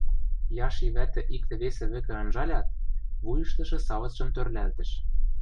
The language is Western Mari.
Яши вӓтӹ иктӹ-весӹ вӹкӹ анжалят, вуйыштышы савыцшым тӧрлӓлтӹш.